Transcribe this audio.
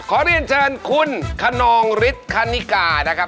ขอเรียนเชิญคุณคนนองฤทธนิกานะครับ